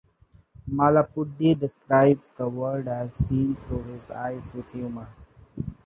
Mullapudi describes the world as seen through his eyes with humor.